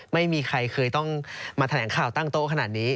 ไม่มีใครเคยต้องมาแถลงข่าวตั้งโต๊ะขนาดนี้